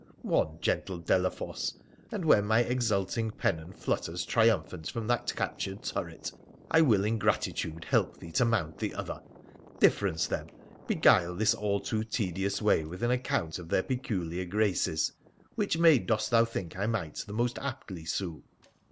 One, gentle Delafosse, and, when my exulting pennon flutters triumphant from that captured turret, I will in gratitude help thee to mount the other. Difference them, beguile this all too tedious way with an account of their peculiar graces. Which maid dost thou think I might the most aptly sue